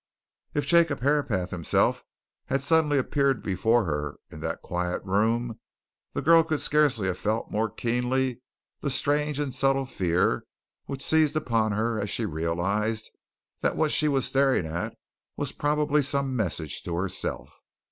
If Jacob Herapath himself had suddenly appeared before her in that quiet room, the girl could scarcely have felt more keenly the strange and subtle fear which seized upon her as she realized that what she was staring at was probably some message to herself.